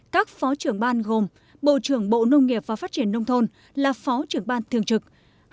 các phó trưởng ban gồm bộ trưởng bộ nông nghiệp và phát triển nông thôn là phó trưởng ban thường trực